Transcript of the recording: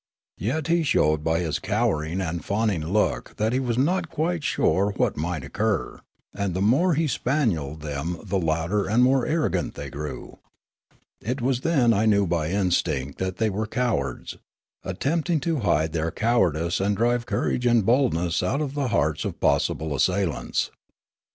Yet he showed by his cowering and fawning look that he was not quite sure what might occur ; and the more he spanielled them the louder and more arrogant they grew. It was then I knew by instinct that the}' were cowards, attempting to hide their cowardice and drive courage and boldness out of the hearts of possible assailants.